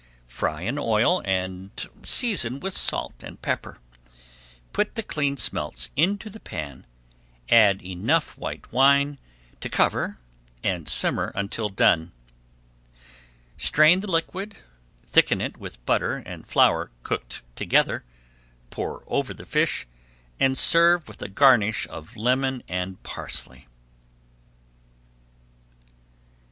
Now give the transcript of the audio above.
Fry in oil and season with salt and pepper. Put the cleaned smelts into the pan, add enough white wine to cover, and simmer until done. Strain the liquid, thicken it with butter and flour cooked together, pour over the fish, and serve with a garnish of lemon and parsley.